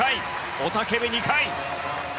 雄たけび２回！